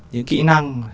những kĩ năng